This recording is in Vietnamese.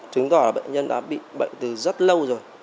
chứng tỏ là bệnh nhân đã bị bệnh từ rất lâu rồi